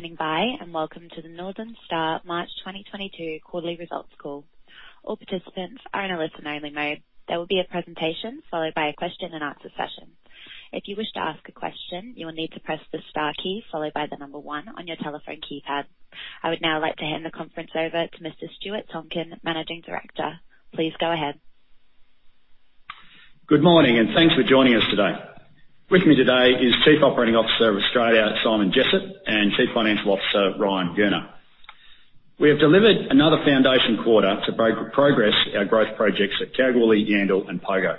Hi and welcome to the Northern Star March 2022 quarterly results call. All participants are in a listen-only mode. There will be a presentation followed by a question and answer session. If you wish to ask a question, you will need to press the star key followed by the number one on your telephone keypad. I would now like to hand the conference over to Mr. Stuart Tonkin, Managing Director. Please go ahead. Good morning, and thanks for joining us today. With me today is Chief Operating Officer of Australia, Simon Jessop, and Chief Financial Officer, Ryan Gurner. We have delivered another foundational quarter to break ground on our growth projects at Kalgoorlie, Yandal, and Pogo.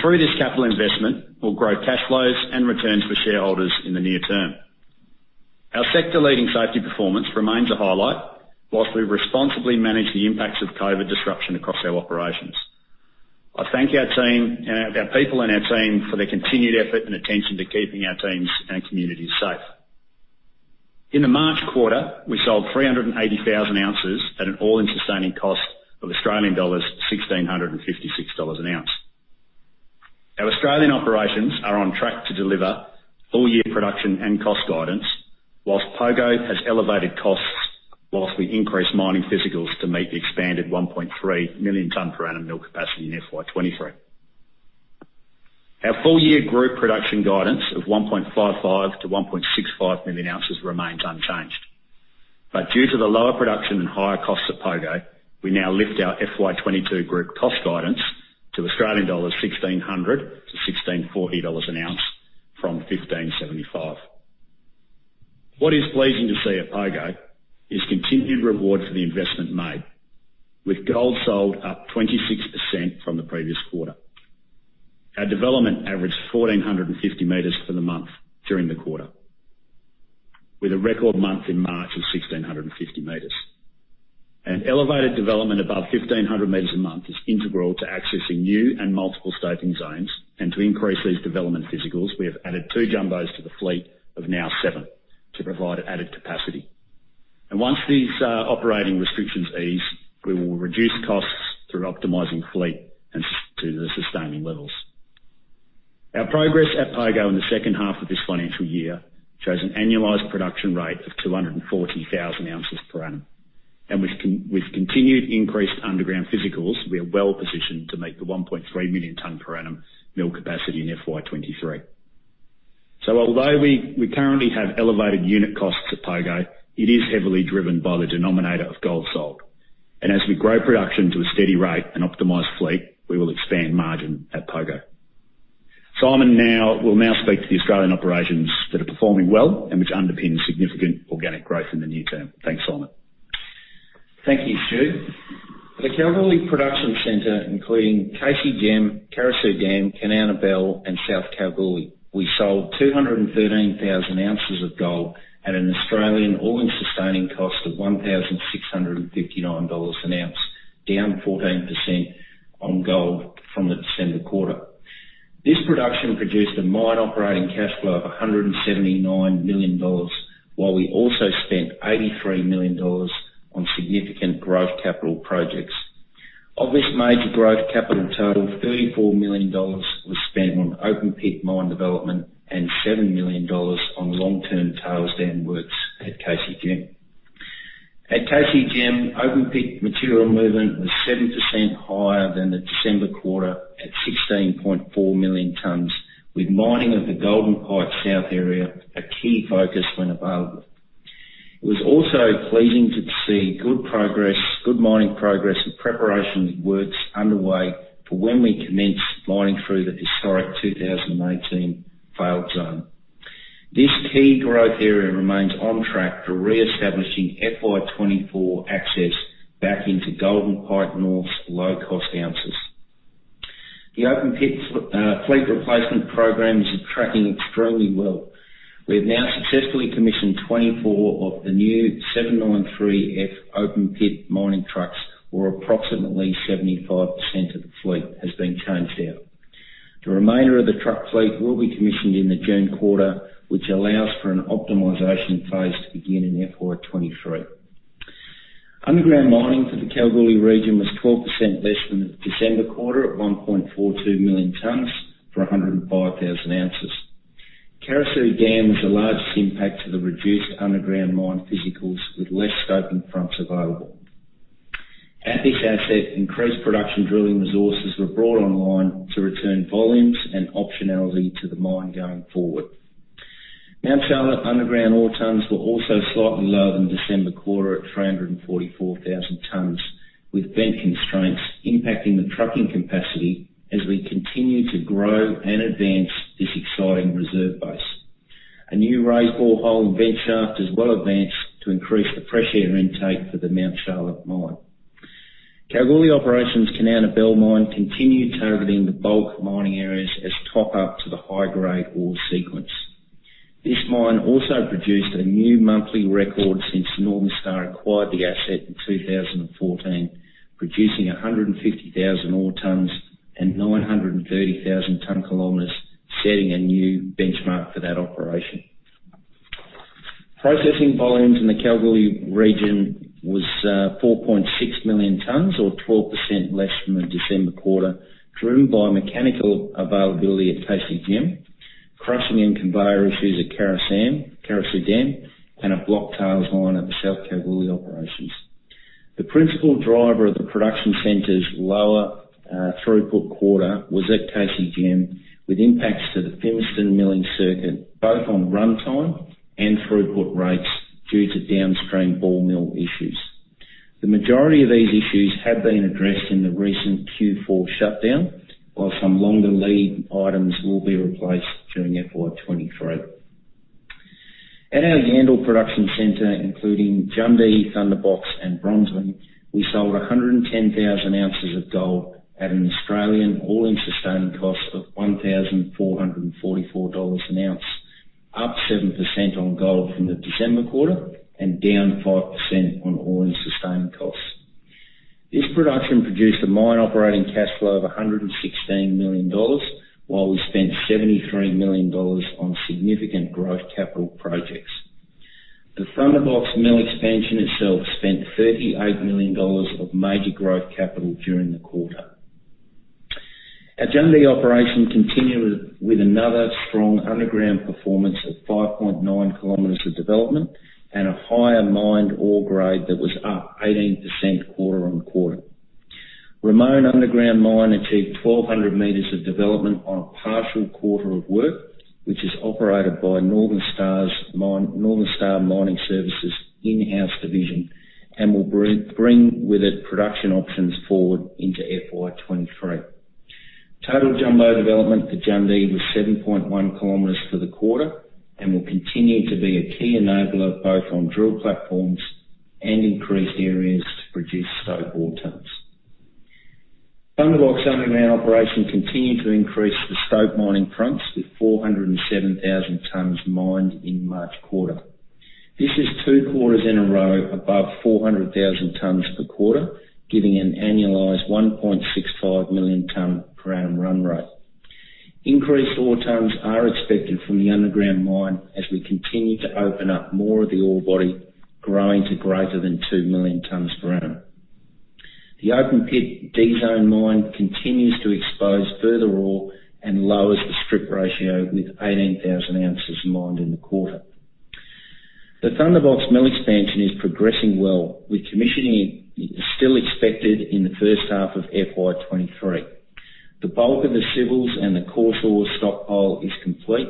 Through this capital investment, we'll grow cash flows and returns for shareholders in the near term. Our sector leading safety performance remains a highlight, while we responsibly manage the impacts of COVID disruption across our operations. I thank our team, our people and our team for their continued effort and attention to keeping our teams and communities safe. In the March quarter, we sold 380,000 ounces at an all-in sustaining cost of Australian dollars 1,656 an ounce. Our Australian operations are on track to deliver full-year production and cost guidance, while Pogo has elevated costs while we increase mining physicals to meet the expanded 1.3 million tons per annum mill capacity in FY 2023. Our full-year group production guidance of 1.55 million-1.65 million ounces remains unchanged. Due to the lower production and higher costs at Pogo, we now lift our FY 2022 group cost guidance to 1,600-1,640 dollars an ounce from 1,575. What is pleasing to see at Pogo is continued reward for the investment made, with gold sold up 26% from the previous quarter. Our development averaged 1,450 meters for the month during the quarter, with a record month in March of 1,650 meters. An elevated development above 1,500 meters a month is integral to accessing new and multiple stoping zones, and to increase these development metres, we have added two jumbos to the fleet of now seven to provide added capacity. Once these operating restrictions ease, we will reduce costs through optimizing fleet to the sustaining levels. Our progress at Pogo in the second half of this financial year shows an annualized production rate of 240,000 ounces per annum. With continued increased underground metres, we are well-positioned to make the 1.3 million ton per annum mill capacity in FY 2023. Although we currently have elevated unit costs at Pogo, it is heavily driven by the denominator of gold sold. As we grow production to a steady rate and optimize fleet, we will expand margin at Pogo. Simon will now speak to the Australian operations that are performing well and which underpin significant organic growth in the near term. Thanks, Simon. Thank you, Stu. The Kalgoorlie Production Center, including KCGM, Carosue Dam, Kanowna Belle, and South Kalgoorlie, we sold 213,000 ounces of gold at an Australian all-in sustaining cost of 1,659 dollars an ounce, down 14% on gold from the December quarter. This production produced a mine operating cash flow of 179 million dollars, while we also spent 83 million dollars on significant growth capital projects. Of this major growth capital total, AUD 34 million was spent on open pit mine development and AUD 7 million on long-term tailings works at KCGM. At KCGM, open pit material movement was 7% higher than the December quarter at 16.4 million tons, with mining of the Golden Pike South area a key focus when available. It was also pleasing to see good progress, good mining progress and preparation works underway for when we commence mining through the historic 2018 fall zone. This key growth area remains on track for reestablishing FY 2024 access back into Golden Pike North's low-cost ounces. The open pit fleet replacement program is tracking extremely well. We have now successfully commissioned 24 of the new 793F open pit mining trucks, or approximately 75% of the fleet has been changed out. The remainder of the truck fleet will be commissioned in the June quarter, which allows for an optimization phase to begin in FY 2023. Underground mining for the Kalgoorlie region was 12% less than the December quarter, at 1.42 million tons for 105,000 ounces. Carosue Dam was the largest impact to the reduced underground mine physicals with less stoping fronts available. At this asset, increased production drilling resources were brought online to return volumes and optionality to the mine going forward. Mount Charlotte underground ore tons were also slightly lower than December quarter at 344,000 tons, with vent constraints impacting the trucking capacity as we continue to grow and advance this exciting reserve base. A new raise bore hole and vent shaft is well advanced to increase the fresh air intake for the Mount Charlotte mine. Kalgoorlie Operations Kanowna Belle mine continued targeting the bulk mining areas as top up to the high-grade ore sequence. This mine also produced a new monthly record since Northern Star acquired the asset in 2014, producing 150,000 ore tons and 930,000 ton kilometers, setting a new benchmark for that operation. Processing volumes in the Kalgoorlie region was 4.6 million tons, or 12% less than the December quarter, driven by mechanical availability at KCGM, crushing and conveyor issues at Carosue Dam, and a blocked tails line at the South Kalgoorlie operations. The principal driver of the production center's lower throughput quarter was at KCGM, with impacts to the Fimiston milling circuit, both on runtime and throughput rates due to downstream ball mill issues. The majority of these issues have been addressed in the recent Q4 shutdown, while some longer lead items will be replaced during FY 2023. At our Yandal production center, including Jundee, Thunderbox, and Bronzewing, we sold 110,000 ounces of gold at an Australian all-in sustaining cost of 1,444 dollars an ounce, up 7% on gold from the December quarter and down 5% on all-in sustaining costs. This production produced a mine operating cash flow of 116 million dollars, while we spent 73 million dollars on significant growth capital projects. The Thunderbox mill expansion itself spent 38 million dollars of major growth capital during the quarter. Our Jundee operation continued with another strong underground performance of 5.9 km of development and a higher mined ore grade that was up 18% quarter-over-quarter. Ramone underground mine achieved 1,200 meters of development on a partial quarter of work, which is operated by Northern Star Mining Services' in-house division and will bring with it production options forward into FY 2023. Total jumbo development for Jundee was 7.1 km for the quarter and will continue to be a key enabler both on drill platforms and increased areas to produce stope ore tons. Thunderbox underground operation continued to increase the stope mining fronts with 407,000 tons mined in March quarter. This is two quarters in a row above 400,000 tons per quarter, giving an annualized 1.65 million tons per annum run rate. Increased ore tons are expected from the underground mine as we continue to open up more of the ore body, growing to greater than 2 million tons per annum. The open pit D Zone mine continues to expose further ore and lowers the strip ratio with 18,000 ounces mined in the quarter. The Thunderbox mill expansion is progressing well, with commissioning still expected in the first half of FY 2023. The bulk of the civils and the coarse ore stockpile is complete.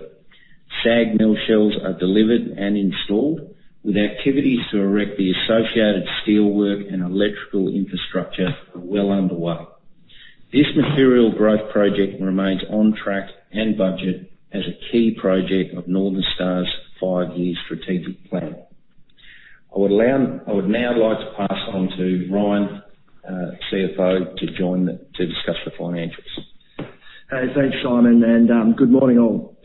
SAG mill shells are delivered and installed, with activities to erect the associated steelwork and electrical infrastructure are well underway. This material growth project remains on track and budget as a key project of Northern Star's five-year strategic plan. I would now like to pass on to Ryan, CFO, to discuss the financials. Thanks, Simon, and good morning, all.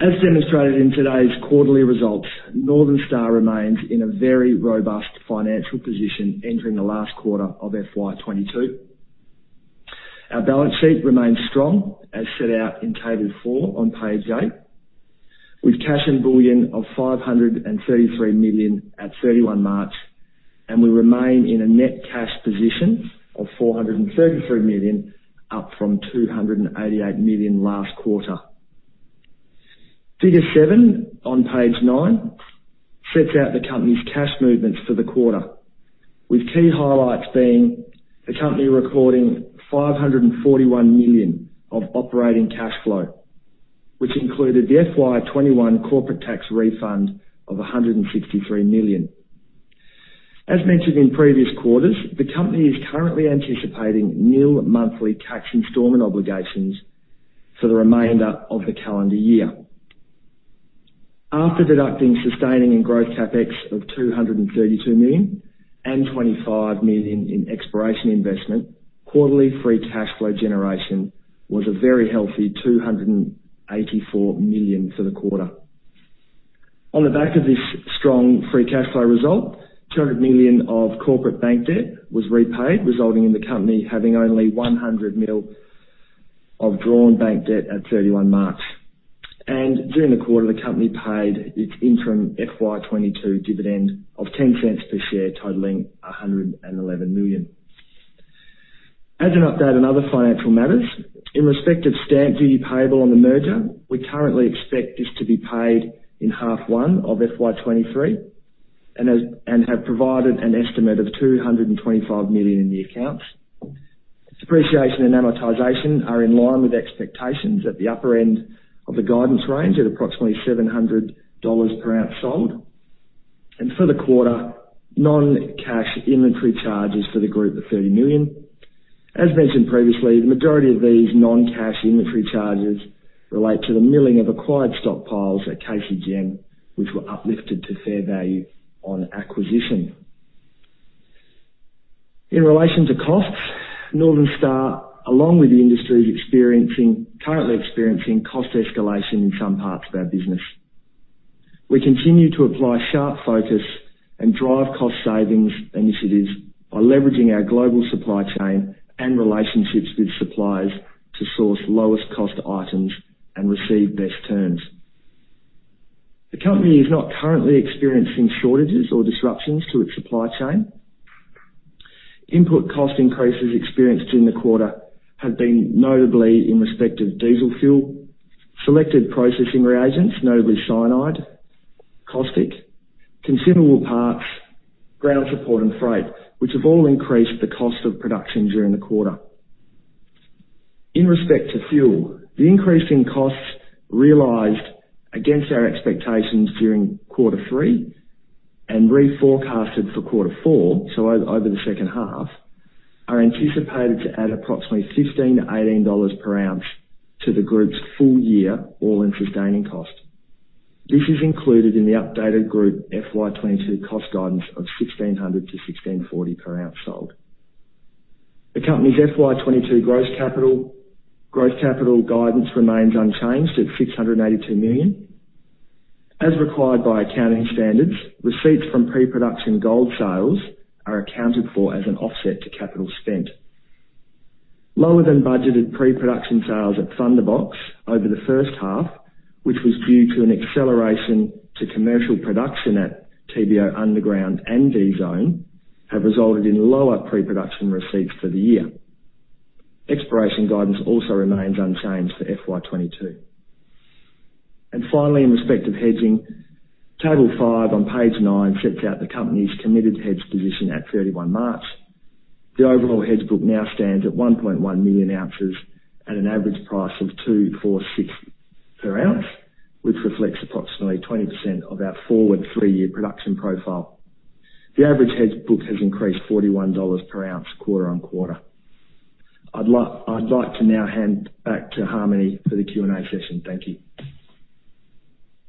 As demonstrated in today's quarterly results, Northern Star remains in a very robust financial position entering the last quarter of FY 2022. Our balance sheet remains strong, as set out in table four on page 8, with cash and bullion of 533 million at 31 March, and we remain in a net cash position of 433 million, up from 288 million last quarter. Figure 7 on page 9 sets out the company's cash movements for the quarter, with key highlights being the company recording 541 million of operating cash flow, which included the FY 2021 corporate tax refund of 163 million. As mentioned in previous quarters, the company is currently anticipating nil monthly tax installment obligations for the remainder of the calendar year. After deducting sustaining and growth CapEx of 232 million and 25 million in exploration investment, quarterly free cash flow generation was a very healthy 284 million for the quarter. On the back of this strong free cash flow result, 200 million of corporate bank debt was repaid, resulting in the company having only 100 million of drawn bank debt at 31 March. During the quarter, the company paid its interim FY 2022 dividend of 0.10 per share, totaling 111 million. As an update on other financial matters, in respect of stamp duty payable on the merger, we currently expect this to be paid in half one of FY 2023 and have provided an estimate of 225 million in the accounts. Depreciation and amortization are in line with expectations at the upper end of the guidance range at approximately $700 per ounce sold. For the quarter, non-cash inventory charges for the group were 30 million. As mentioned previously, the majority of these non-cash inventory charges relate to the milling of acquired stockpiles at KCGM, which were uplifted to fair value on acquisition. In relation to costs, Northern Star, along with the industry, is currently experiencing cost escalation in some parts of our business. We continue to apply sharp focus and drive cost savings initiatives by leveraging our global supply chain and relationships with suppliers to source lowest cost items and receive best terms. The company is not currently experiencing shortages or disruptions to its supply chain. Input cost increases experienced in the quarter have been notably in respect of diesel fuel, selected processing reagents, notably cyanide, caustic, consumable parts, ground support and freight, which have all increased the cost of production during the quarter. In respect to fuel, the increase in costs realized against our expectations during Q3 and reforecasted for Q4, so over the second half, are anticipated to add approximately 15-18 dollars per ounce to the group's full year all-in sustaining cost. This is included in the updated group FY 2022 cost guidance of 1,600-1,640 per ounce sold. The company's FY 2022 gross capital guidance remains unchanged at 682 million. As required by accounting standards, receipts from pre-production gold sales are accounted for as an offset to capital spent. Lower than budgeted pre-production sales at Thunderbox over the first half, which was due to an acceleration to commercial production at Thunderbox underground and D Zone, have resulted in lower pre-production receipts for the year. Exploration guidance also remains unchanged for FY 2022. Finally, in respect of hedging, table five on page 9 sets out the company's committed hedge position at 31 March. The overall hedge book now stands at 1.1 million ounces at an average price of $246 per ounce, which reflects approximately 20% of our forward three-year production profile. The average hedge book has increased $41 per ounce quarter-on-quarter. I'd like to now hand back to Harmony for the Q&A session. Thank you.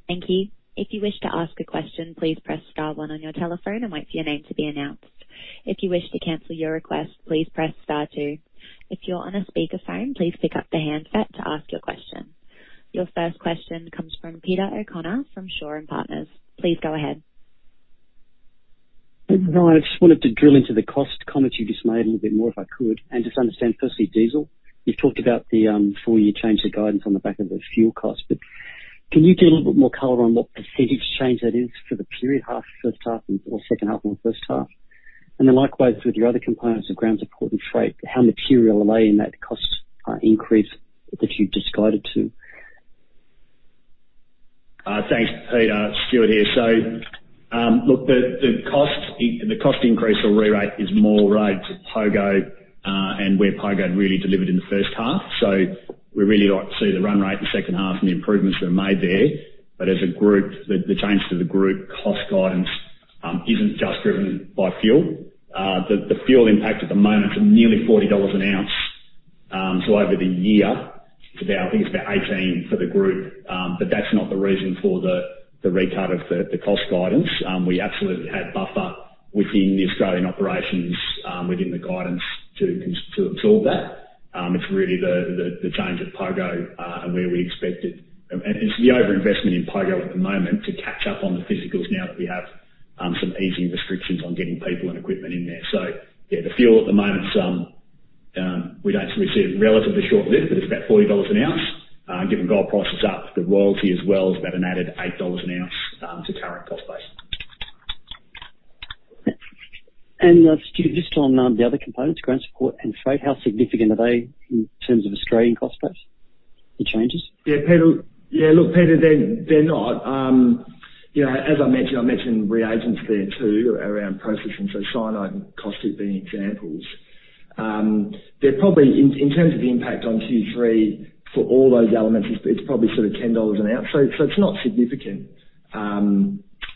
Thank you. If you wish to ask a question, please press star one on your telephone and wait for your name to be announced. If you wish to cancel your request, please press star two. If you're on a speaker phone, please pick up the handset to ask your question. Your first question comes from Peter O'Connor from Shaw and Partners. Please go ahead. Hi. I just wanted to drill into the cost comment you just made a little bit more, if I could, and just understand, firstly, diesel. You've talked about the full year change of guidance on the back of the fuel cost, but can you give a little bit more color on what percentage change that is for the period half, first half or second half and first half? And then likewise with your other components of ground support and freight, how material are they in that cost increase that you've just guided to? Thanks, Peter. Stuart here. Look, the cost increase or rerate is more related to Pogo, and where Pogo had really delivered in the first half. We really like to see the run rate in the second half and the improvements that are made there. As a group, the change to the group cost guidance isn't just driven by fuel. The fuel impact at the moment is nearly $40 an ounce. Over the year it's about $18 for the group. That's not the reason for the rerate of the cost guidance. We absolutely had buffer within the Australian operations, within the guidance to absorb that. It's really the change at Pogo, and where we expected... It's the overinvestment in Pogo at the moment to catch up on the physicals now that we have some easing restrictions on getting people and equipment in there. Yeah, the fuel at the moment is relatively short-lived, but it's about $40 an ounce. Given gold prices up, the royalty as well is about an added $8 an ounce to current cost base. Stuart, just on the other components, ground support and freight, how significant are they in terms of Australian cost base, the changes? Yeah, Peter. Yeah, look, Peter, they're not. You know, as I mentioned, I mentioned reagents there too around processing, so cyanide and caustic being examples. They're probably in terms of the impact on Q3 for all those elements, it's probably sort of 10 dollars an ounce. So it's not significant.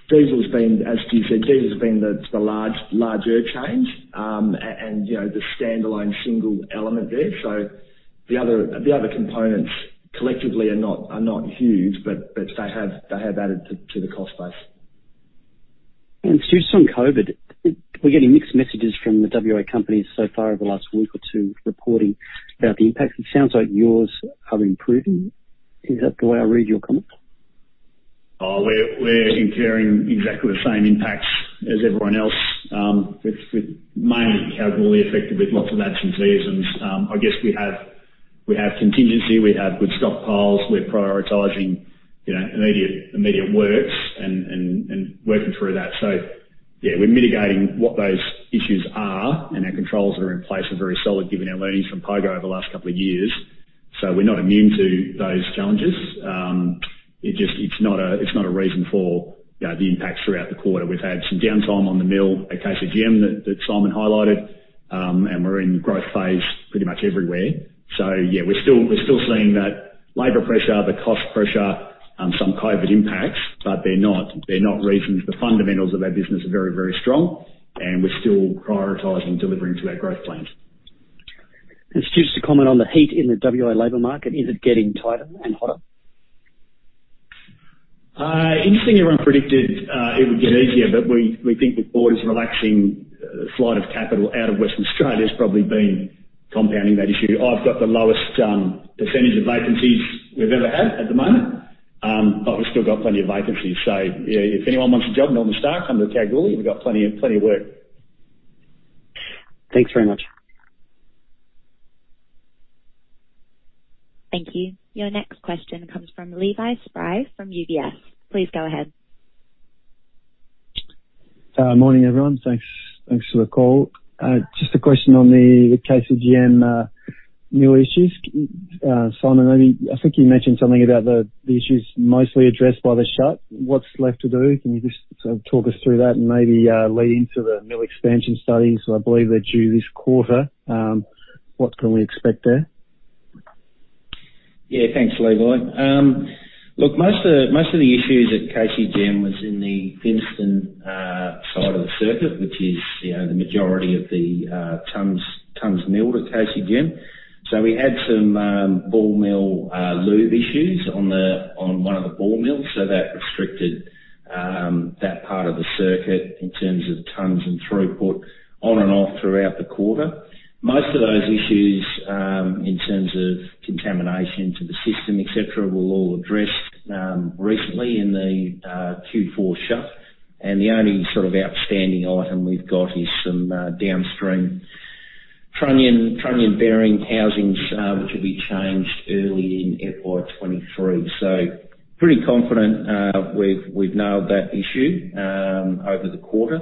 Diesel's been, as Stu said, diesel's been the larger change, and you know, the standalone single element there. So the other components collectively are not huge, but they have added to the cost base. Stuart, on COVID, we're getting mixed messages from the WA companies so far over the last week or two, reporting about the impact. It sounds like yours are improving. Is that the way I read your comment? Oh, we're incurring exactly the same impacts as everyone else, with mainly Kalgoorlie affected with lots of absentees and, I guess we have contingency, we have good stockpiles, we're prioritizing, you know, immediate works and working through that. Yeah, we're mitigating what those issues are and our controls that are in place are very solid given our learnings from Pogo over the last couple of years. We're not immune to those challenges. It's not a reason for, you know, the impacts throughout the quarter. We've had some downtime on the mill, a case of GM that Simon highlighted, and we're in growth phase pretty much everywhere. Yeah, we're still seeing that labor pressure, the cost pressure, some COVID impacts, but they're not reasons. The fundamentals of our business are very, very strong and we're still prioritizing delivering to our growth plans. Stuart, just a comment on the heat in the WA labor market. Is it getting tighter and hotter? Interestingly, everyone predicted it would get easier, but we think the board is relaxing. Flight of capital out of Western Australia has probably been compounding that issue. I've got the lowest percentage of vacancies we've ever had at the moment. But we've still got plenty of vacancies. Yeah, if anyone wants a job in Northern Star, come to Kalgoorlie. We've got plenty of work. Thanks very much. Thank you. Your next question comes from Levi Spry from UBS. Please go ahead. Morning, everyone. Thanks for the call. Just a question on the KCGM mill issues. Simon, I think you mentioned something about the issues mostly addressed by the shutdown. What's left to do? Can you just sort of talk us through that and maybe lead into the mill expansion studies? I believe they're due this quarter. What can we expect there? Yeah, thanks, Levi. Look, most of the issues at KCGM was in the Fimiston side of the circuit, which is, you know, the majority of the tons milled at KCGM. We had some ball mill lube issues on one of the ball mills. That restricted that part of the circuit in terms of tons and throughput on and off throughout the quarter. Most of those issues in terms of contamination to the system, et cetera, were all addressed recently in the Q4 shutdown. The only sort of outstanding item we've got is some downstream trunnion bearing housings which will be changed early in FY 2023. Pretty confident we've nailed that issue over the quarter.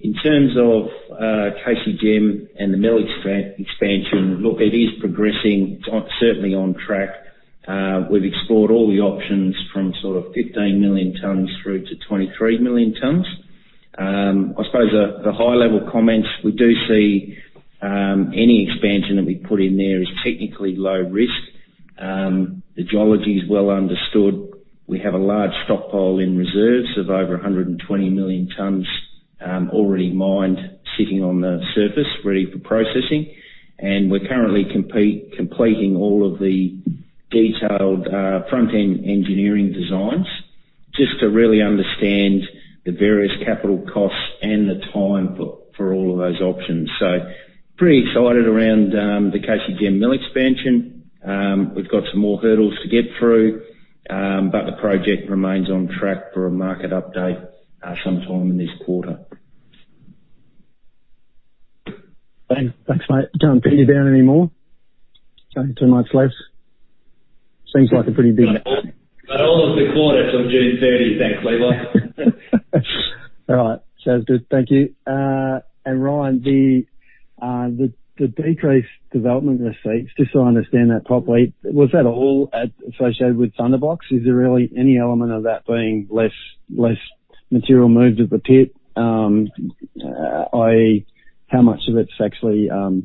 In terms of KCGM and the mill expansion, look, it is progressing. It's on, certainly on track. We've explored all the options from sort of 15 million tons through to 23 million tons. I suppose the high level comments, we do see any expansion that we put in there is technically low risk. The geology is well understood. We have a large stockpile in reserves of over 120 million tons already mined, sitting on the surface ready for processing. We're currently completing all of the detailed front-end engineering designs just to really understand the various capital costs and the time for all of those options. Pretty excited around the KCGM mill expansion. We've got some more hurdles to get through, but the project remains on track for a market update sometime in this quarter. Thanks, mate. I don't want to pin you down any more. Only two months left. Seems like a pretty big Almost a quarter from June thirtieth, thanks, Levi. All right. Sounds good. Thank you. Ryan, the decreased development receipts, just so I understand that properly, was that all associated with Thunderbox? Is there really any element of that being less material moved at the pit? How much of it's actually, you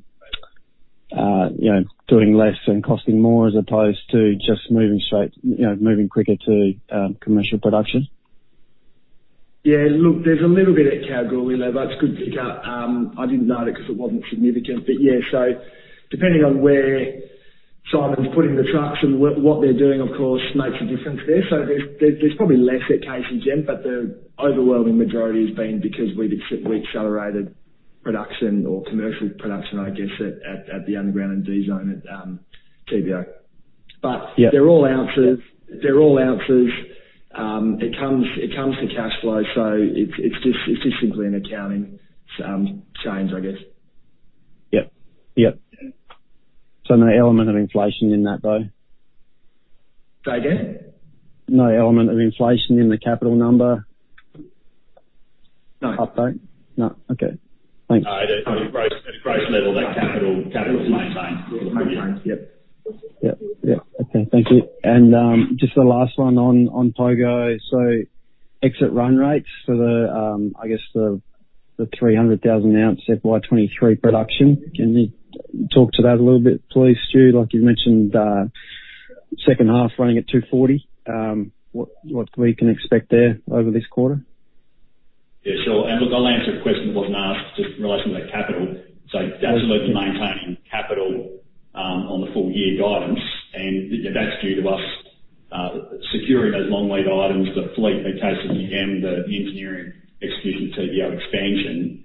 know, doing less and costing more as opposed to just moving straight, you know, moving quicker to commercial production? Yeah. Look, there's a little bit at KCGM level. That's a good pick up. I didn't note it 'cause it wasn't significant. Yeah, depending on where Simon's putting the trucks and what they're doing, of course, makes a difference there. There's probably less at KCGM, but the overwhelming majority has been because we've accelerated production or commercial production, I guess, at the underground and D Zone at TBO. Yeah. They're all ounces. It comes to cash flow. It's just simply an accounting change, I guess. Yep. No element of inflation in that though? Say again? No element of inflation in the capital number. No. Update? No. Okay. Thanks. No. At a growth level, that capital is maintained. Maintained. Yep. Yep. Okay. Thank you. Just the last one on Pogo. Exit run rates for the, I guess the 300,000 ounce FY 2023 production. Can you talk to that a little bit please, Stu? Like you've mentioned, second half running at 240. What we can expect there over this quarter? Yeah, sure. Look, I'll answer a question that wasn't asked just in relation to that capital. Absolutely maintaining capital on the full year guidance, and that's due to us securing those long lead items, the fleet at KCGM, the engineering execution at Thunderbox expansion.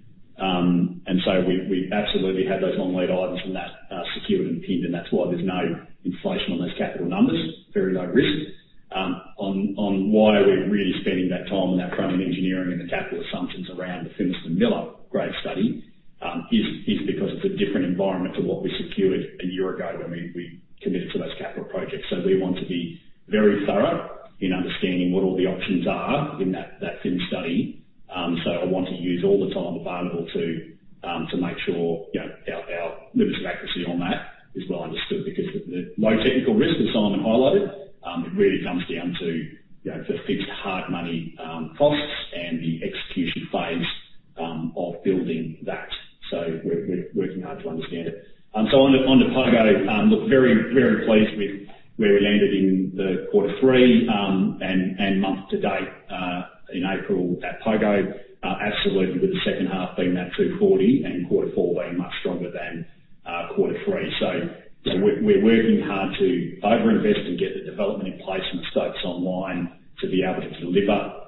We absolutely have those long lead items from that secured and pinned, and that's why there's no inflation on those capital numbers. Very low risk. Why are we really spending that time on that front-end engineering and the capital assumptions around the Fimiston mill grade study is because it's a different environment to what we secured a year ago when we committed to those capital projects. We want to be very thorough in understanding what all the options are in that Fimiston study. I want to use all the time available to make sure, you know, our limits of accuracy on that is well understood because the low technical risk, as Simon highlighted, it really comes down to, you know, for fixed hard money costs and the execution phase of building that. We're working hard to understand it. On to Pogo. Look very, very pleased with where we landed in the quarter three and month to date in April at Pogo. Absolutely with the second half being that 240 and quarter four being much stronger than quarter three. We're working hard to over-invest and get the development in place and stakes online to be able to deliver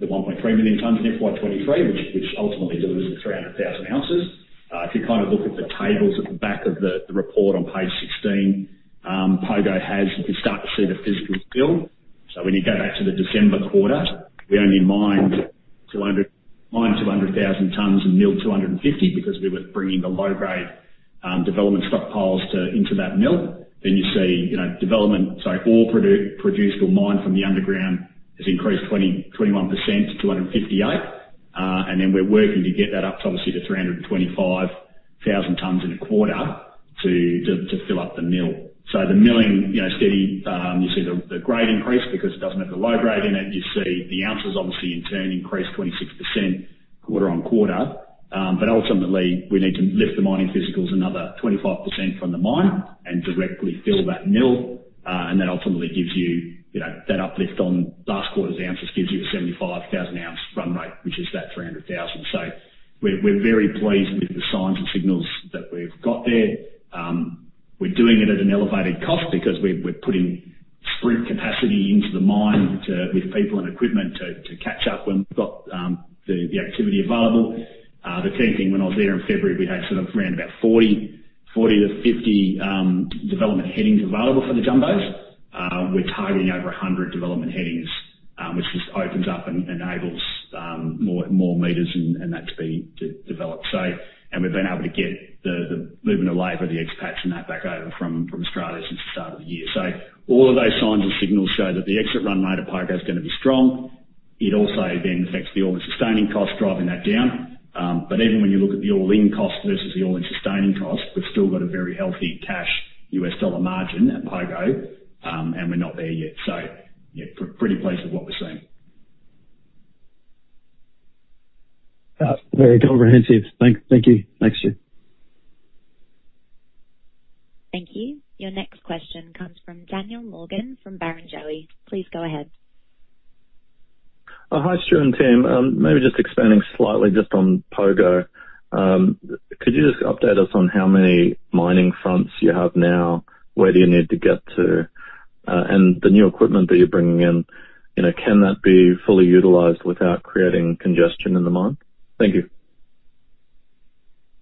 the 1.3 million tons in FY 2023, which ultimately delivers the 300,000 ounces. If you kind of look at the tables at the back of the report on page 16, Pogo. You can start to see the physical build. When you go back to the December quarter, we only mined 200,000 tons and milled 250, because we were bringing the low-grade development stockpiles into that mill. Then you see, you know, development. Ore produced or mined from the underground has increased 21% to 258%. We're working to get that up to obviously 325,000 tons in a quarter to fill up the mill. The milling, you know, steady. You see the grade increase because it doesn't have the low grade in it. You see the ounces obviously in turn increased 26% quarter-on-quarter. Ultimately, we need to lift the mining physicals another 25% from the mine and directly fill that mill. That ultimately gives you know, that uplift on last quarter's ounces gives you a 75,000 ounce run rate, which is that 300,000. We're very pleased with the signs and signals that we've got there. We're doing it at an elevated cost because we're putting sprint capacity into the mine with people and equipment to catch up when we've got the activity available. The key thing when I was there in February, we had sort of around 40-50 development headings available for the jumbos. We're targeting over 100 development headings, which just opens up and enables more meters and that to be developed. We've been able to get the movement of labor, the expats and that back over from Australia since the start of the year. All of those signs and signals show that the exit run rate at Pogo is gonna be strong. It also then affects the all-in sustaining cost, driving that down. Even when you look at the all-in cost versus the all-in sustaining cost, we've still got a very healthy cash US dollar margin at Pogo, and we're not there yet. Yeah, pretty pleased with what we're seeing. Very comprehensive. Thank you. Thanks, Stuart. Thank you. Your next question comes from Daniel Morgan from Barrenjoey. Please go ahead. Hi, Stuart and team. Maybe just expanding slightly just on Pogo. Could you just update us on how many mining fronts you have now? Where do you need to get to? The new equipment that you're bringing in, you know, can that be fully utilized without creating congestion in the mine? Thank you.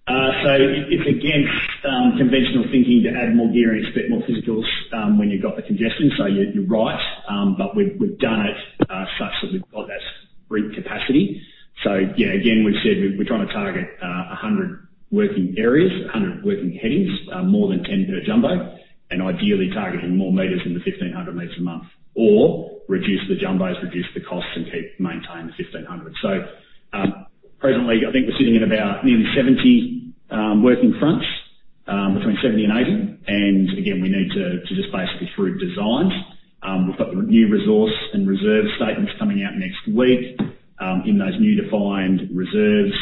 It's against conventional thinking to add more gear and split more personnel when you've got the congestion. You're right. We've done it such that we've got that free capacity. Yeah, again, we've said we're trying to target 100 working areas, 100 working headings, more than 10 per jumbo. Ideally targeting more meters in the 1,500 meters a month or reduce the jumbos, reduce the costs and keep maintaining the 1,500. Presently, I think we're sitting at about nearly 70 working fronts, between 70 and 80. Again, we need to just basically through designs, we've got the new resource and reserve statements coming out next week. In those new defined reserves,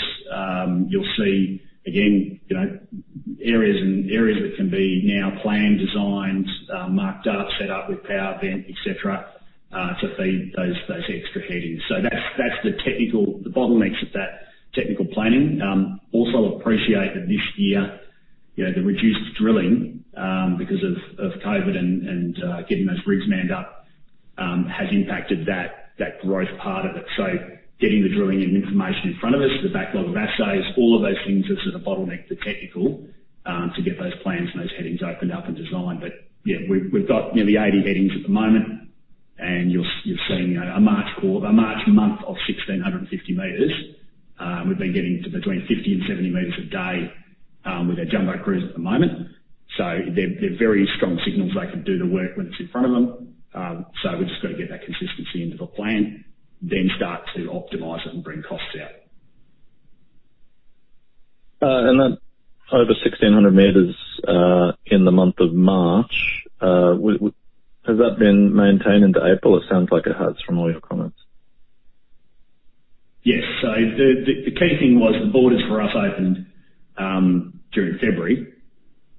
you'll see again, you know, areas that can be now planned, designed, marked up, set up with power vent, et cetera, to feed those extra headings. That's the technical bottlenecks of that technical planning. Also appreciate that this year, you know, the reduced drilling because of COVID and getting those rigs manned up has impacted that growth part of it. Getting the drilling and information in front of us, the backlog of assays, all of those things are sort of bottleneck to technical to get those plans and those headings opened up and designed. But yeah, we've got nearly 80 headings at the moment. You're seeing a March quarter of 1650 meters. We've been getting to between 50 and 70 meters a day with our jumbo crews at the moment. They're very strong signals they can do the work when it's in front of them. We've just got to get that consistency into the plan, then start to optimize it and bring costs out. That over 1600 meters in the month of March has that been maintained into April? It sounds like it has from all your comments. Yes. The key thing was the borders for us opened during February,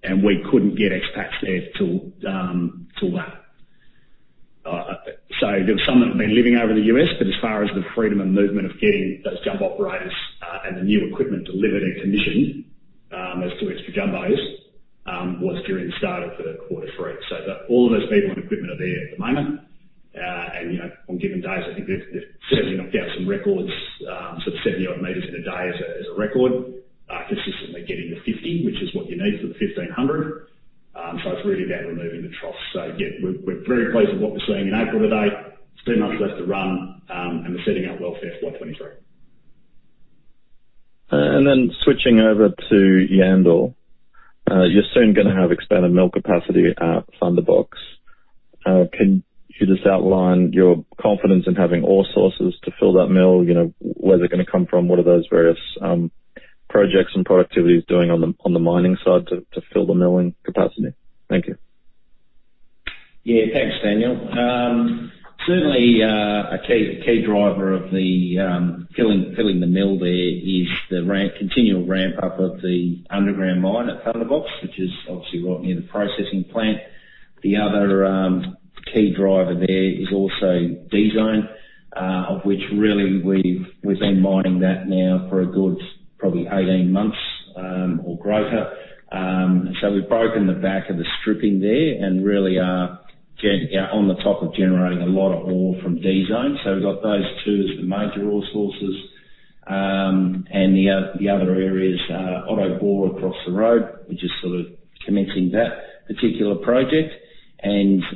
and we couldn't get expats there till. There was some that had been living over in the U.S., but as far as the freedom and movement of getting those jumbo operators and the new equipment delivered and commissioned as two extra jumbos was during the start of the quarter three. The all of those people and equipment are there at the moment. You know, on given days, I think they've certainly knocked out some records. Sort of 70-odd meters in a day as a record. Consistently getting to 50, which is what you need for the 1,500. It's really about removing the troughs. Yeah, we're very pleased with what we're seeing in April to date. three months left to run, and we're setting up well for FY 2023. Switching over to Yandal. You're soon gonna have expanded mill capacity at Thunderbox. Can you just outline your confidence in having ore sources to fill that mill? You know, where are they gonna come from? What are those various projects and productivities doing on the mining side to fill the milling capacity? Thank you. Yeah. Thanks, Daniel. Certainly, a key driver of the feeding the mill there is the continual ramp up of the underground mine at Thunderbox, which is obviously right near the processing plant. The other key driver there is also D Zone, of which really we've been mining that now for a good probably 18 months or greater. So we've broken the back of the stripping there and really are getting on top of generating a lot of ore from D Zone. So we've got those two as the major ore sources. The other areas are Otto Bore across the road. We're just sort of commencing that particular project.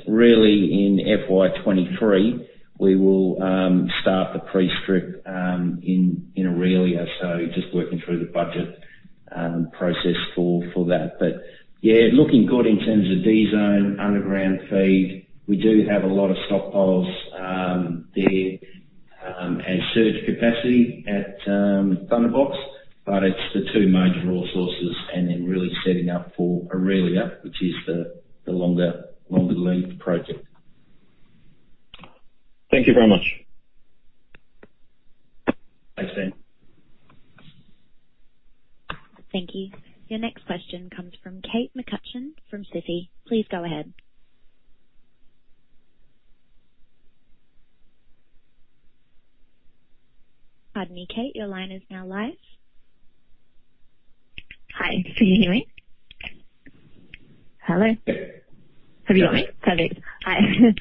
Really in FY 2023, we will start the pre-strip in Orelia, so just working through the budget process for that. Yeah, looking good in terms of D Zone, underground feed. We do have a lot of stockpiles there, and surge capacity at Thunderbox, but it's the two major ore sources and then really setting up for Orelia, which is the longer length project. Thank you very much. Thanks, Dan. Thank you. Your next question comes from Kate McCutcheon from Citi. Please go ahead. Pardon me, Kate, your line is now live. Hi. Can you hear me? Hello? Have you got me? Yes. Perfect. Hi.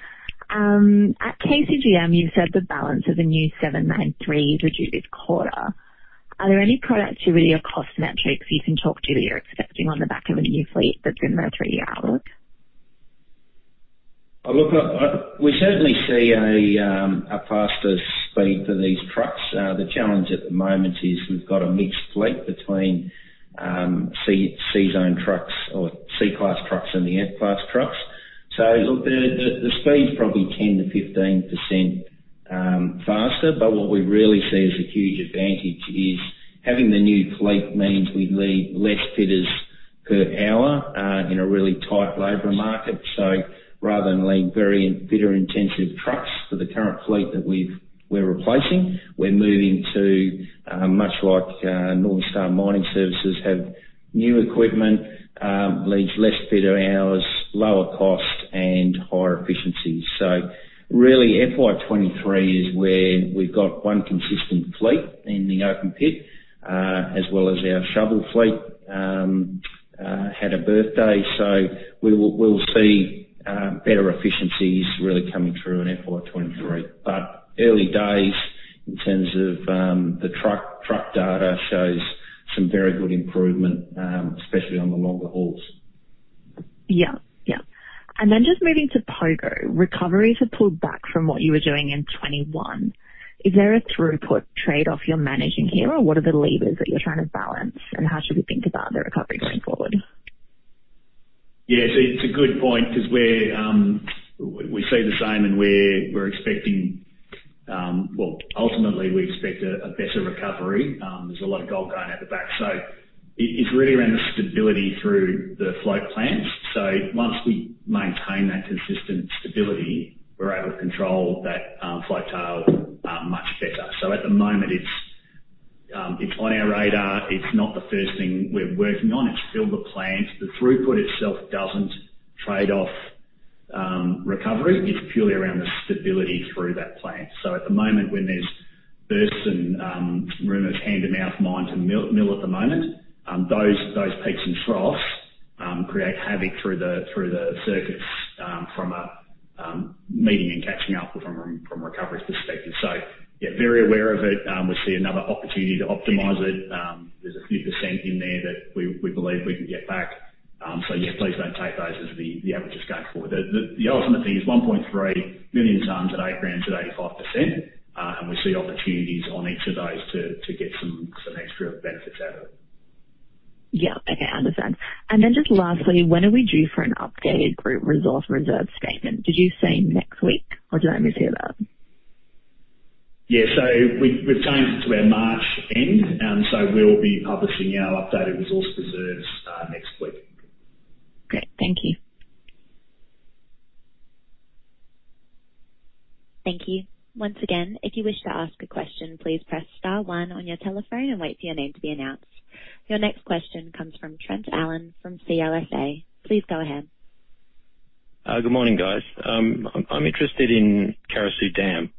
At KCGM, you said the balance of the new 793 is due this quarter. Are there any productivity or cost metrics you can talk to that you're expecting on the back of a new fleet that's in their three-year outlook? We certainly see a faster speed for these trucks. The challenge at the moment is we've got a mixed fleet between C-class trucks and the F-class trucks. The speed's probably 10%-15% faster, but what we really see as a huge advantage is having the new fleet means we need less fitters per hour in a really tight labor market. Rather than need very fitter-intensive trucks for the current fleet that we're replacing, we're moving to much like Northern Star Mining Services have new equipment needs less fitter hours, lower cost, and higher efficiency. Really, FY 2023 is where we've got one consistent fleet in the open pit as well as our shovel fleet had a birthday. We'll see better efficiencies really coming through in FY 2023. Early days in terms of the truck data shows some very good improvement, especially on the longer hauls. Just moving to Pogo, recoveries have pulled back from what you were doing in 2021. Is there a throughput trade-off you're managing here, or what are the levers that you're trying to balance, and how should we think about the recovery going forward? Yeah, it's a good point because we see the same. Well, ultimately, we expect a better recovery. There's a lot of gold going out the back. It's really around the stability through the float plants. Once we maintain that consistent stability, we're able to control that float tail much better. At the moment it's on our radar. It's not the first thing we're working on. It's filling the plant. The throughput itself doesn't trade off recovery. It's purely around the stability through that plant. At the moment, when there's bursts and rhythms hand-to-mouth mine-to-mill at the moment, those peaks and troughs create havoc through the circuits from a milling and recovery perspective. Yeah, very aware of it. We'll see another opportunity to optimize it. There's a few percent in there that we believe we can get back. Yeah, please don't take those as the averages going forward. The ultimate thing is 1.3 million tons at eight grams at 85%, and we see opportunities on each of those to get some extra benefits out of it. Yeah. Okay. Understand. Just lastly, when are we due for an updated group resource reserve statement? Did you say next week, or did I mishear that? We've changed it to our March end. We'll be publishing our updated resource reserves next week. Great. Thank you. Thank you. Once again, if you wish to ask a question, please press star one on your telephone and wait for your name to be announced. Your next question comes from Trent Allen from CLSA. Please go ahead. Good morning, guys. I'm interested in Carosue Dam.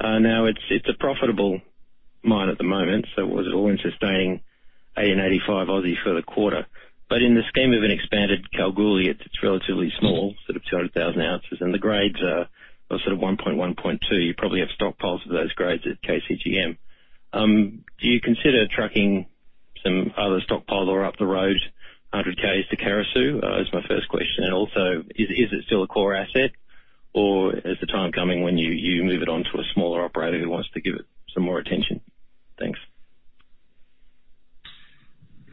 Now it's a profitable mine at the moment, so it was all-in sustaining 1,885 for the quarter. But in the scheme of an expanded Kalgoorlie, it's relatively small, sort of 200,000 ounces, and the grades are sort of 1.1-1.2. You probably have stockpiles of those grades at KCGM. Do you consider trucking some other stockpile ore up the road 100 km to Carosue? That was my first question. Also, is it still a core asset, or is the time coming when you move it on to a smaller operator who wants to give it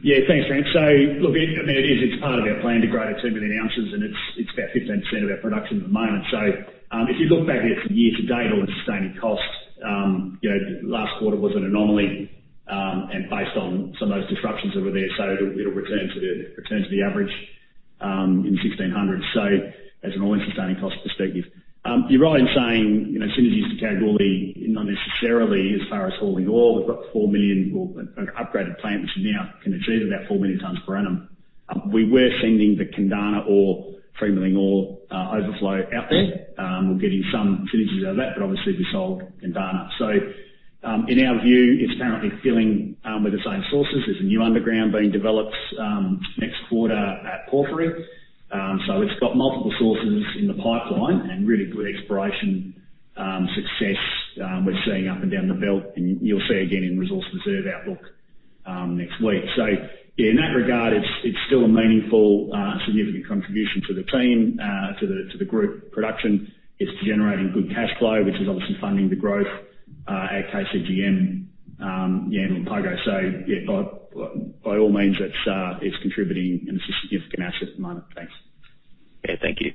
some more attention? Thanks. Yeah. Thanks, Trent. Look, I mean, it is, it's part of our plan to grow to 2 million ounces, and it's about 15% of our production at the moment. If you look back at it from year to date on all-in sustaining cost, you know, last quarter was an anomaly, and based on some of those disruptions that were there, it'll return to the average in 1,600 as an all-in sustaining cost perspective. You're right in saying, you know, synergies to Kalgoorlie, not necessarily as far as hauling ore. We've got 4 million, or an upgraded plant, which now can achieve about 4 million tons per annum. We were sending the Kundana ore, free milling ore, overflow out there. We're getting some synergies out of that, but obviously we sold Kundana. In our view, it's currently filling with the same sources. There's a new underground being developed next quarter at Porphyry. It's got multiple sources in the pipeline and really good exploration success we're seeing up and down the belt, and you'll see again in resource reserve outlook next week. Yeah, in that regard, it's still a meaningful, significant contribution to the team, to the group production. It's generating good cash flow, which is obviously funding the growth at KCGM, Yandal and Pogo. Yeah, by all means, it's contributing, and it's a significant asset at the moment. Thanks. Yeah, thank you.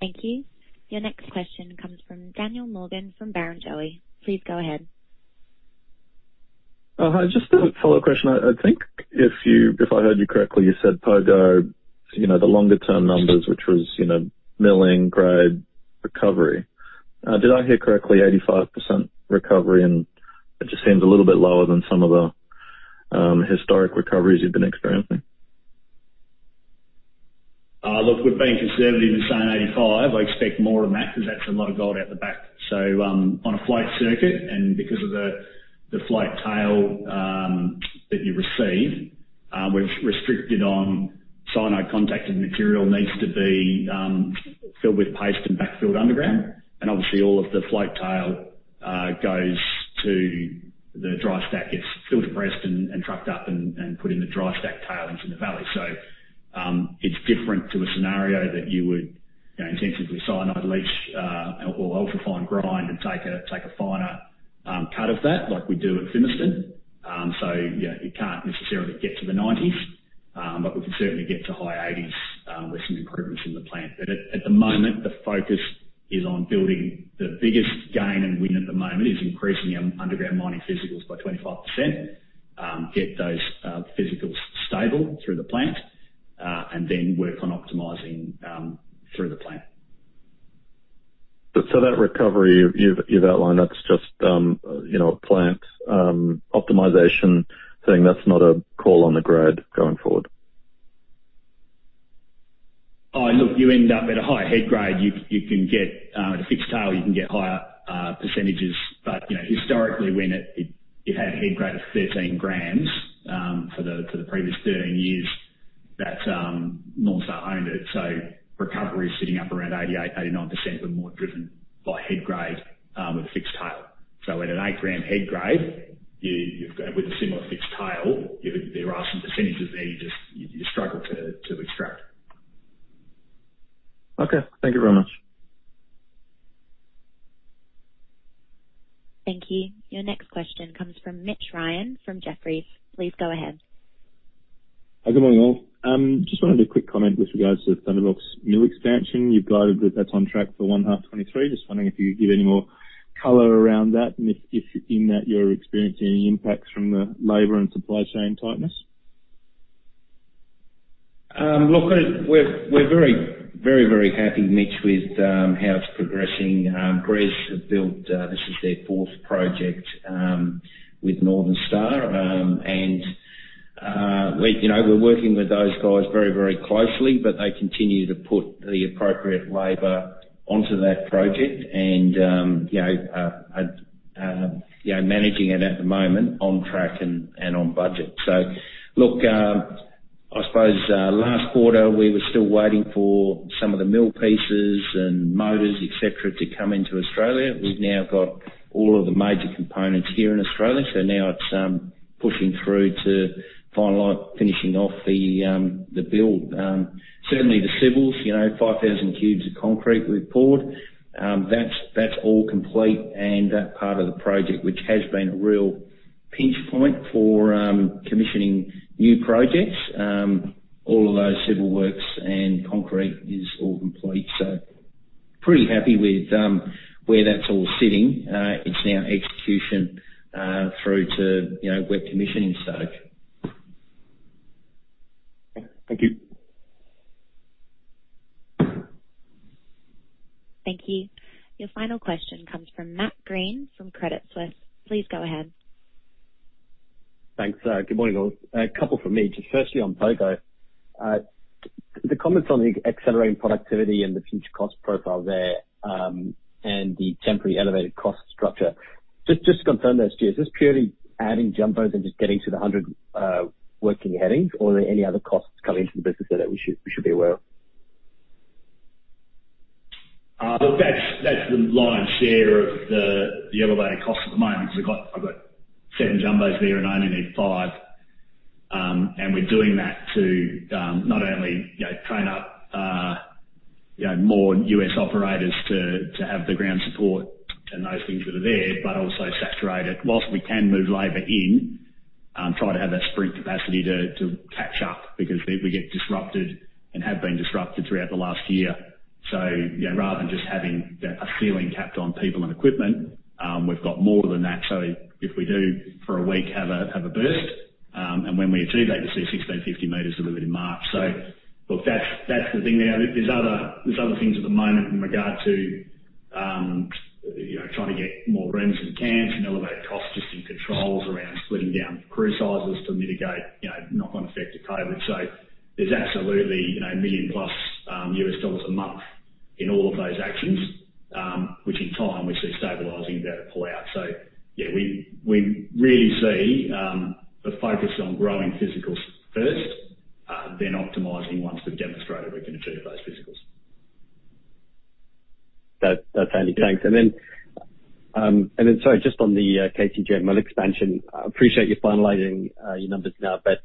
Thank you. Your next question comes from Daniel Morgan from Barrenjoey. Please go ahead. Hi. Just a follow question. I think if I heard you correctly, you said Pogo, you know, the longer-term numbers, which was, you know, milling grade recovery. Did I hear correctly 85% recovery? It just seems a little bit lower than some of the historic recoveries you've been experiencing. Look, we're being conservative in saying 85%. I expect more than that 'cause that's a lot of gold out the back. On a float circuit and because of the float tail that you receive, we've restricted on cyanide contacted material needs to be filled with paste and backfill underground. Obviously, all of the float tail goes to the dry stack. It's filter pressed and trucked up and put in the dry stack tailings in the valley. It's different to a scenario that you would you know intensively cyanide leach or ultra fine grind and take a finer cut of that like we do at Fimiston. You can't necessarily get to the 90s, but we can certainly get to high 80s with some improvements in the plant. At the moment the focus is on building. The biggest gain and win at the moment is increasing underground mining physicals by 25%. Get those physicals stable through the plant, and then work on optimizing through the plant. That recovery you've outlined, that's just, you know, plant optimization thing. That's not a call on the grade going forward. Oh, look, you end up at a higher head grade. You can get at a fixed tail, you can get higher percentages. You know, historically when it had a head grade of 13 grams for the previous 13 years that Northern Star owned it. Recovery is sitting up around 88%-89%, but more driven by head grade with a fixed tail. At an eight gram head grade, you've got with a similar fixed tail, there are some percentages there you just struggle to extract. Okay. Thank you very much. Thank you. Your next question comes from Mitch Ryan from Jefferies. Please go ahead. Hi. Good morning, all. Just wanted a quick comment with regards to the Thunderbox mill expansion. You've guided that that's on track for 1H 2023. Just wondering if you give any more color around that and if in that you're experiencing any impacts from the labor and supply chain tightness. Look, we're very happy, Mitch, with how it's progressing. GR Engineering Services have built; this is their fourth project with Northern Star. We, you know, we're working with those guys very closely, but they continue to put the appropriate labor onto that project and, you know, managing it at the moment on track and on budget. Look, I suppose, last quarter, we were still waiting for some of the mill pieces and motors, et cetera, to come into Australia. We've now got all of the major components here in Australia, so now it's pushing through to final like finishing off the build. Certainly the civils, you know, 5,000 cubes of concrete we've poured, that's all complete and that part of the project, which has been a real pinch point for commissioning new projects. All of those civil works and concrete is all complete, so pretty happy with where that's all sitting. It's now execution through to, you know, we're at the commissioning stage. Thank you. Thank you. Your final question comes from Matt Greene from Credit Suisse. Please go ahead. Thanks. Good morning, all. A couple from me. Just firstly on Pogo. The comments on the accelerating productivity and the future cost profile there, and the temporary elevated cost structure. Just to confirm those two, is this purely adding jumbos and just getting to the 100 working headings or are there any other costs coming to the business that we should be aware of? Look, that's the lion's share of the elevated cost at the moment. I've got seven jumbos there and I only need five. We're doing that to not only, you know, train up more U.S. operators to have the ground support and those things that are there, but also saturate it. Whilst we can move labor in, try to have that sprint capacity to catch up because if we get disrupted and have been disrupted throughout the last year. You know, rather than just having a ceiling capped on people and equipment, we've got more than that. If we do for a week have a burst, and when we achieve that, you see 1,650 meters delivered in March. Look, that's the thing. There's other things at the moment in regard to trying to get more ROMs than planned and elevated costs just in controls around splitting down crew sizes to mitigate knock-on effect of COVID. There's absolutely $1 million-plus a month in all of those actions, which in time we see stabilizing that pull out. Yeah, we really see the focus on growing physicals first. Then optimizing once we've demonstrated we can achieve those physicals. That, that's handy. Thanks. Sorry, just on the KCGM mill expansion. I appreciate you finalizing your numbers now, but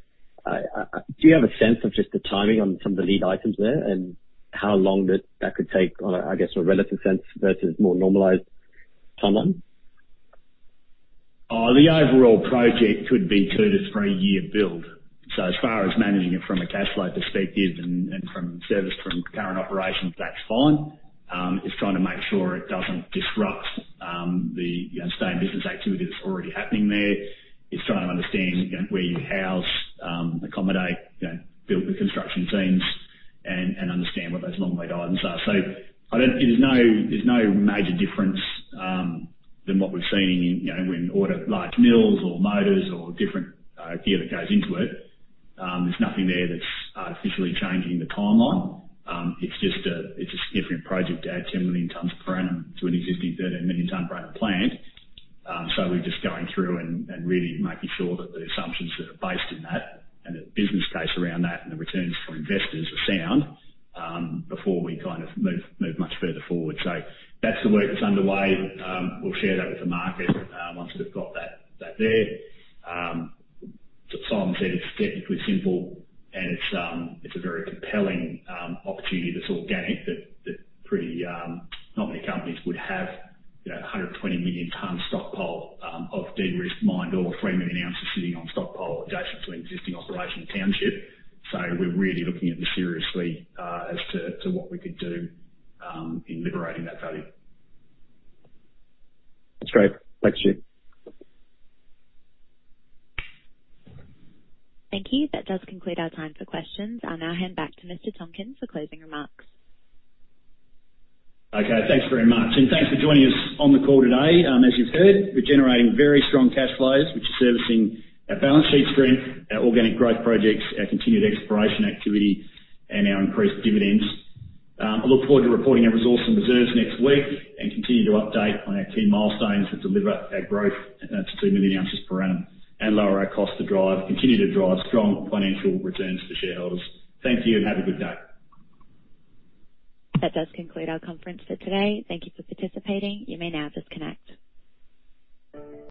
do you have a sense of just the timing on some of the lead items there and how long that could take on a, I guess, a relative sense versus more normalized timeline? The overall project could be a two to three-year build. As far as managing it from a cash flow perspective and from servicing current operations, that's fine. It's trying to make sure it doesn't disrupt the, you know, stay in business activity that's already happening there. It's trying to understand where you house, accommodate, you know, build the construction teams and understand what those long lead items are. There's no major difference than what we've seen in, you know, when we order large mills or motors or different gear that goes into it. There's nothing there that's artificially changing the timeline. It's just a different project to add 10 million tons per annum to an existing 13 million tons per annum plant. We're just going through and really making sure that the assumptions that are based in that and the business case around that and the returns for investors are sound before we kind of move much further forward. That's the work that's underway. We'll share that with the market